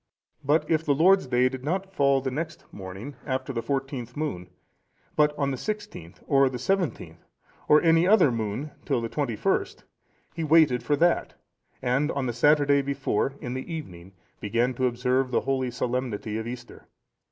But if the Lord's day did not fall the next morning after the fourteenth moon, but on the sixteenth, or the seventeenth, or any other moon till the twenty first, he waited for that, and on the Saturday before, in the evening, began to observe the holy solemnity of Easter.